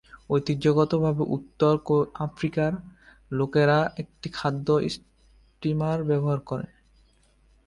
ঐতিহ্যগতভাবে উত্তর আফ্রিকার লোকেরা একটি খাদ্য স্টিমার ব্যবহার করে।